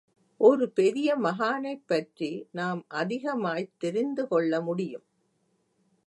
ஒரு பெரிய மகானைப் பற்றி நாம் அதிகமாய்த் தெரிந்துகொள்ள முடியும்.